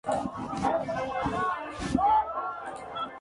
Su último periodo como futbolista se dio de nuevo para Saprissa.